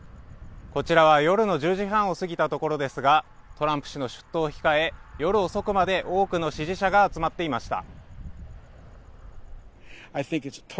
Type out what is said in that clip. こちらは夜の１０時半を過ぎたところですが、トランプ氏の出頭を控え、夜遅くまで多くの支持者が集まっていました。